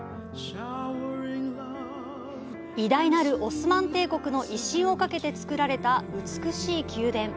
偉大なるオスマン帝国の威信をかけて造られた、美しい宮殿。